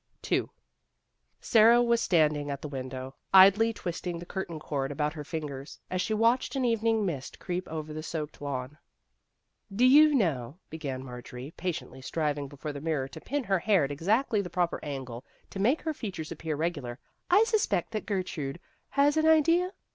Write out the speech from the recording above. II Sara was standing at the window, idly twisting the curtain cord about her fingers, as she watched an evening mist creep over the soaked lawn. " Do you know," began Marjorie, pa tiently striving before the mirror to pin her hair at exactly the proper angle to make her features appear regular, " I sus pect that Gertrude has an idea